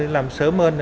làm sớm hơn